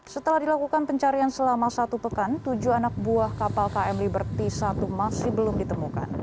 setelah dilakukan pencarian selama satu pekan tujuh anak buah kapal km liberty satu masih belum ditemukan